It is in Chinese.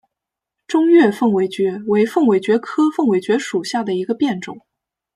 中越凤尾蕨为凤尾蕨科凤尾蕨属下的一个变种。